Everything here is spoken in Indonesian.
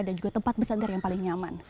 dan juga tempat bersandar yang paling nyaman